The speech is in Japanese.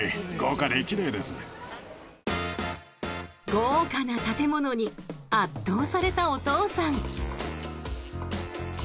豪華な建物に圧倒されたお父さん。